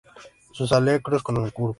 Sus aleros son curvos.